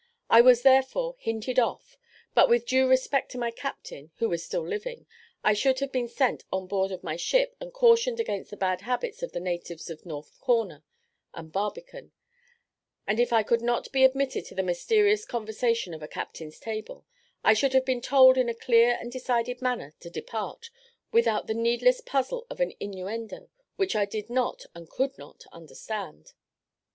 I was therefore "hinted off;" but with due respect to my captain, who is still living, I should have been sent on board of my ship and cautioned against the bad habits of the natives of North Corner and Barbican; and if I could not be admitted to the mysterious conversation of a captain's table, I should have been told in a clear and decided manner to depart, without the needless puzzle of an innuendo, which I did not and could not understand.